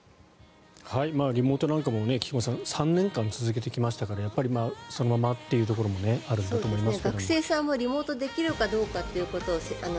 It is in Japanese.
リモートなんかも菊間さん３年間続けてきましたからやっぱりそのままというところもあるんだと思いますが。